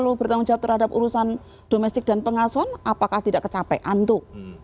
kalau bertanggung jawab terhadap urusan domestik dan pengasuhan apakah tidak kecapean tuh